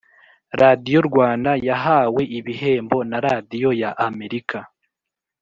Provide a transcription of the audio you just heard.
Radiyo Rwanda yahawe ibihembo na radiyo ya amerika